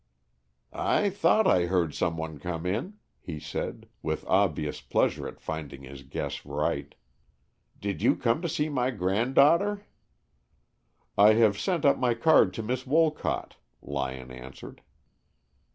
"I thought I heard some one come in," he said, with obvious pleasure at finding his guess right. "Did you come to see my granddaughter?" "I have sent up my card to Miss Wolcott," Lyon answered.